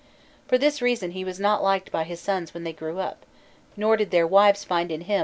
For this reason he was not liked by his sons when they grew up, nor did their wives find in him.